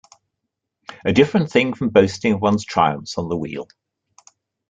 A different thing from boasting of one's triumphs on the wheel.